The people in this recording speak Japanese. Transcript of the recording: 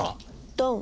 ドン。